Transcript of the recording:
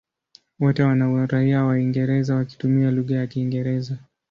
Wote wana uraia wa Uingereza wakitumia lugha ya Kiingereza.